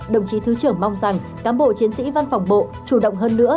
đồng chí thứ trưởng mong rằng cán bộ chiến sĩ văn phòng bộ chủ động hơn nữa